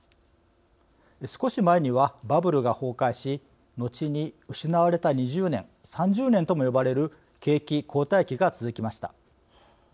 少し前にはバブルが崩壊し後に失われた２０年３０年とも呼ばれる景気後退期が続きました。